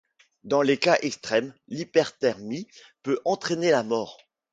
Dans des cas extrêmes l'hyperthermie peut entrainer la mort.